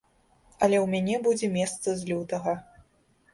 Але ў мяне будзе месца з лютага.